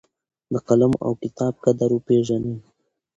د قلم او کتاب قدر وپېژنئ.